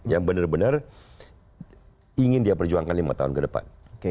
yang benar benar ingin dia perjuangkan lima tahun ke depan